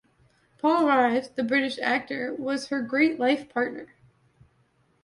Paul Rhys, the British actor was her great life partner.